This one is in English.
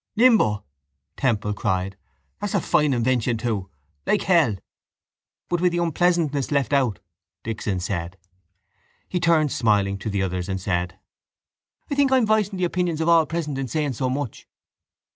—Limbo! Temple cried. That's a fine invention too. Like hell. —But with the unpleasantness left out, Dixon said. He turned smiling to the others and said: —I think I am voicing the opinions of all present in saying so much.